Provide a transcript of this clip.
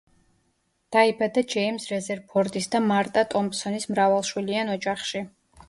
დაიბადა ჯეიმზ რეზერფორდის და მარტა ტომპსონის მრავალშვილიან ოჯახში.